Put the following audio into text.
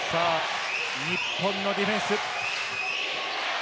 日本のディフェンス。